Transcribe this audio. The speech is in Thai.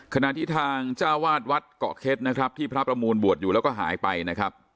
ขณะที่ทางเจ้าวาดวัดเกาะเข็ดนะครับที่พระประมูลบวชอยู่แล้วก็หายไปนะครับ